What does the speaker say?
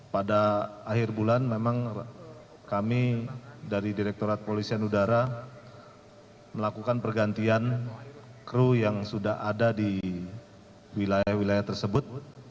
pada akhir bulan memang kami dari direkturat polisian udara melakukan pergantian kru yang sudah ada di wilayah wilayah tersebut